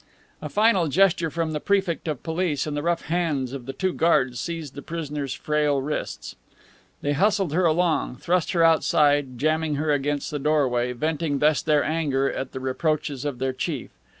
A final gesture from the Prefect of Police and the rough bands of the two guards seized the prisoner's frail wrists. They hustled her along, thrust her outside, jamming her against the doorway, venting thus their anger at the reproaches of their chief.